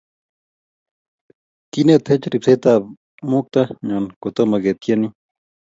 kinetech ribsetab mokto nyo kutomo ketyenie